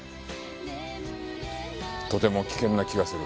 とても危険な気がする。